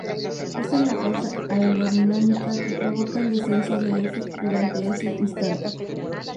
Esta es la causa aerodinámica que provoca el descenso de "f" durante ese instante.